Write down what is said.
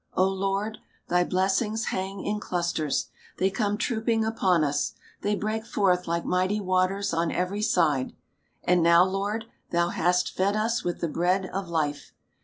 O Lord ! thy blessings hang in clusters ; they come trooping upon us ; they break forth like mighty waters on every side. And now. Lord, thou hast fed us with the bread of life.